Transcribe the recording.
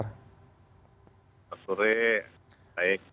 selamat sore baik